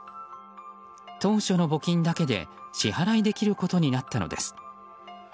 当初の募金だけで支払いできることになったのです。